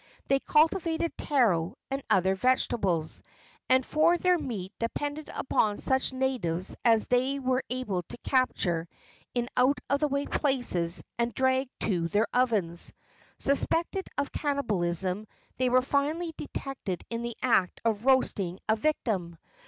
They cultivated taro and other vegetables, and for their meat depended upon such natives as they were able to capture in out of the way places and drag to their ovens. Suspected of cannibalism, they were finally detected in the act of roasting a victim.